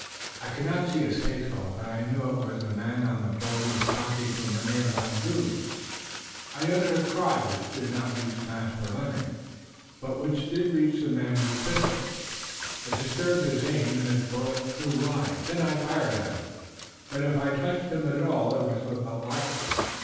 I could not see his face well, but I knew it was the man on the boat who was talking to Mynheer Van Zoon. I uttered a cry which did not reach Master Lennox, but which did reach the man with the pistol. It disturbed his aim, and his bullet flew wide. Then I fired at him, but if I touched him at all it was but lightly.